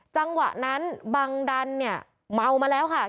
จังหวะนั้นบังดันเนี่ยเมามาแล้วค่ะ